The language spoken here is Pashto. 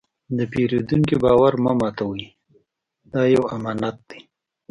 د پیرودونکي باور مه ماتوئ، دا یو امانت دی.